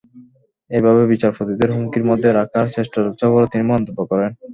এভাবে বিচারপতিদের হুমকির মধ্যে রাখার চেষ্টা চলছে বলে তিনি মন্তব্য করেন।